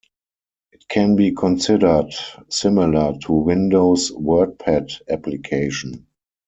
It can be considered similar to Windows' WordPad application.